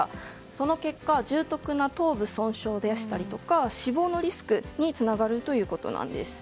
その結果重篤な頭部損傷ですとか死亡のリスクにつながるということです。